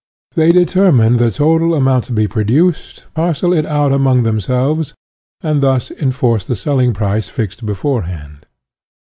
They determine the total amount to be produced, parcel it out among themselves, and thus enforce the selling price fixed beforehand.